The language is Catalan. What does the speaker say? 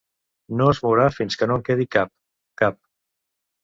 No es mourà fins que no en quedi cap. Cap.